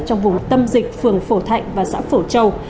trong vùng tâm dịch phường phổ thạnh và xã phổ châu